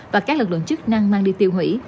và các lực lượng chức năng mang đi tiêu hủy